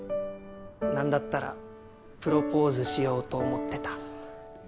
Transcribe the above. なんだったらプロポーズしようと思ってた。